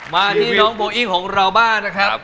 มาที่น้องโบอี้ของเราบ้างนะครับ